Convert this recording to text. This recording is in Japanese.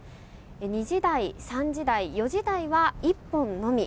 ２時台、３時台、４時台は１本のみ。